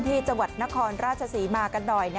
ที่จังหวัดนครราชศรีมากันหน่อย